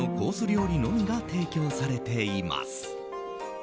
料理のみが提供されています。